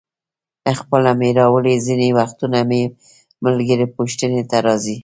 خپله مې راوړي، ځینې وختونه مې ملګري پوښتنې ته راځي.